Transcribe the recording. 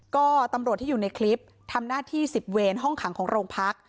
ก็ตำรวจที่อยู่ในคลิปทำหน้าที่๑๐เวรห้องขังของโรงพัก